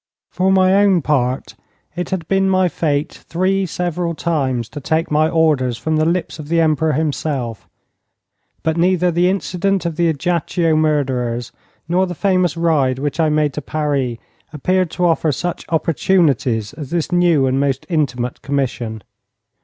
For my own part, it had been my fate three several times to take my orders from the lips of the Emperor himself, but neither the incident of the Ajaccio murderers nor the famous ride which I made to Paris appeared to offer such opportunities as this new and most intimate commission.